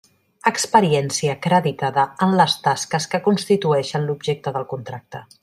Experiència acreditada en les tasques que constitueixen l'objecte del contracte.